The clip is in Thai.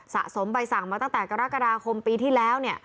สะสมใบสั่งมาตั้งแต่กรกฎาคมปีที่แล้ว